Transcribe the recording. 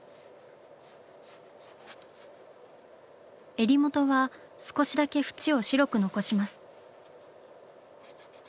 襟元は少しだけ縁を白く残します。